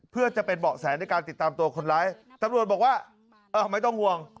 เพื่อจะเป็นเบาะแสในการติดตามตัวคนร้ายตำรวจบอกว่าเออไม่ต้องห่วง